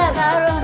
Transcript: eh pak arun